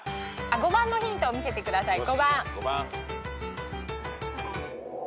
５番のヒントを見せてください。